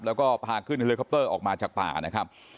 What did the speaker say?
แล้วก็พาขึ้นเฮลิคอปเตอร์ออกมาจากป่านะครับ